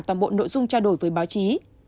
toàn bộ nội dung trao đổi với báo chí